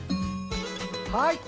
はい！